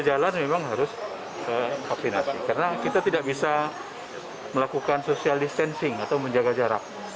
jalan memang harus vaksinasi karena kita tidak bisa melakukan social distancing atau menjaga jarak